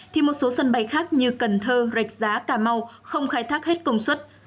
thì một số sân bay khác như cần thơ rạch giá cà mau không khai thác hết công suất